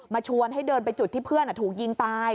ชวนให้เดินไปจุดที่เพื่อนถูกยิงตาย